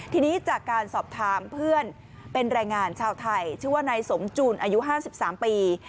ทีนี้จากการสอบถามเพื่อนเป็นแรงงานชาวไทยชื่อว่านายสมจูนอายุ๕๓ปี